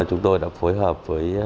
chúng tôi đã phối hợp với